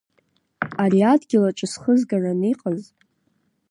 Ари адгьылаҿ исхызгаран иҟаз…